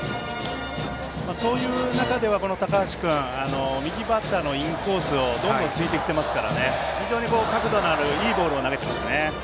そういう中では高橋君は右バッターのインコースをどんどん突いてきていますから非常に角度のあるいいボールを投げていますね。